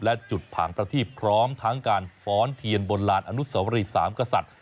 และจุดผางประทีบพร้อมทั้งการฟ้อนเทียนบนลานอนุสวรีสามกษัตริย์